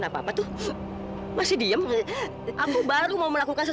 syarat apa yang mereka minta